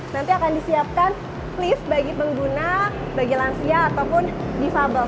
nanti akan disiapkan lift bagi pengguna bagi lansia ataupun difabel